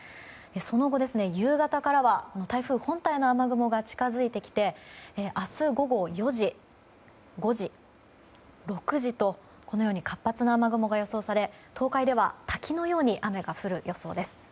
その後、夕方からは台風本体の雨雲が近づいてきて明日午後４時、５時、６時とこのように活発な雨雲が予想され東海では滝のように雨が降る予想です。